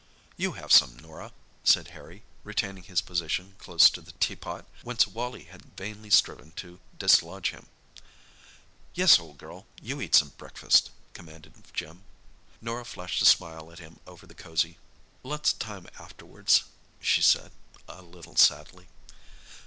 "You have some, Norah," said Harry, retaining his position close to the teapot, whence Wally had vainly striven to dislodge him. "Yes, old girl, you eat some breakfast," commanded Jim. Norah flashed a smile at him over the cosy. "Lots of time afterwards," she said, a little sadly.